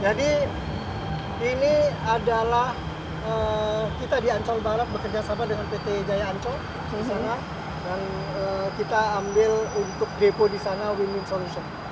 ini adalah kita di ancol barat bekerjasama dengan pt jaya ancol di sana dan kita ambil untuk depo di sana win win solution